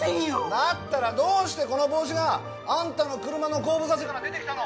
だったらどうしてこの帽子がアンタの車の後部座席から出てきたの！？